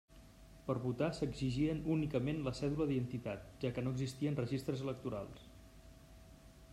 Per votar s'exigia únicament la cèdula d'identitat, ja que no existien registres electorals.